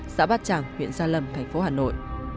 xã bát trảng huyện gia lâm tp hà nội